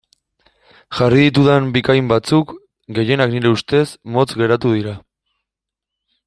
Jarri ditudan bikain batzuk, gehienak nire ustez, motz geratu dira.